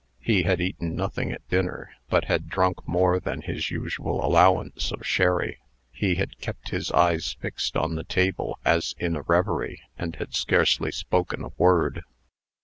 He had eaten nothing at dinner, but had drunk more than his usual allowance of sherry. He had kept his eyes fixed on the table as in a revery, and had scarcely spoken a word.